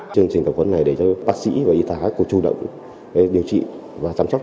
chương trình tập huấn này để cho bác sĩ và y tá cố chú động để điều trị và chăm sóc